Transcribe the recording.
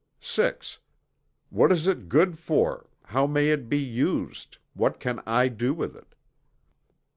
VI. What is it good for how may it be used what can I do with it?